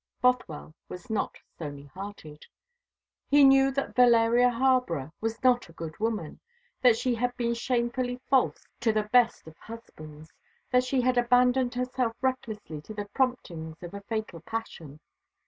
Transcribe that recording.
Bothwell was not stony hearted. He knew that Valeria Harborough was not a good woman that she had been shamefully false to the best of husbands that she had abandoned herself recklessly to the promptings of a fatal passion.